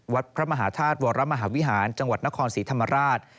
วัดพระมหาธาตุวรมหาวิหารจังหวัดนครศรีธรรมราช